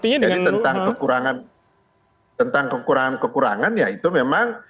jadi tentang kekurangan ya itu memang